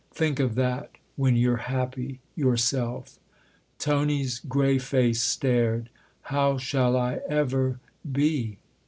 Think of that when you're happy yourself." Tony's grey face stared. " How shall I ever be